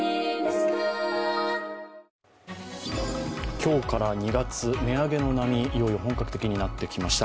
今日から２月、値上げの波、いよいよ本格的になってきました。